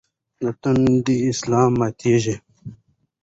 د تندي سلاسې ماتېږي.